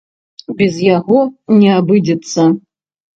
Без яго не абыдзецца.